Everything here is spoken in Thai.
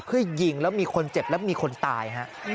เพื่อยิงแล้วมีคนเจ็บและมีคนตายฮะ